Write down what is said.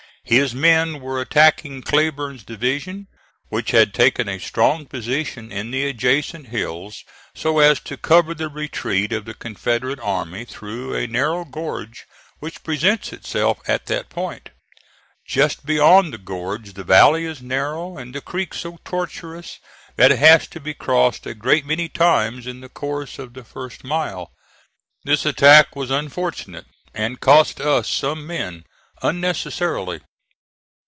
His men were attacking Cleburne's division, which had taken a strong position in the adjacent hills so as to cover the retreat of the Confederate army through a narrow gorge which presents itself at that point. Just beyond the gorge the valley is narrow, and the creek so tortuous that it has to be crossed a great many times in the course of the first mile. This attack was unfortunate, and cost us some men unnecessarily.